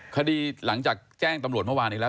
คดีหลังจากแจ้งตำรวจเมื่อวานอีกแล้ว